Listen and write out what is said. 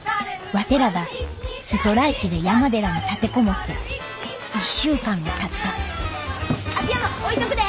ワテらがストライキで山寺に立て籠もって１週間がたった秋山置いとくで。